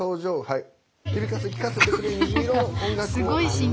はい。